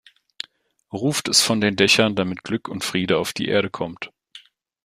Ruft es von den Dächern, damit Glück und Friede auf die Erde kommt.